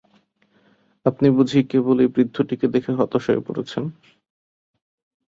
আপনি বুঝি কেবল এই বৃদ্ধটিকে দেখে হতাশ হয়ে পড়েছেন।